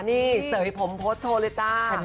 นี่เซอร์ฟให้ผมโพสต์โชว์เลยจ้ะ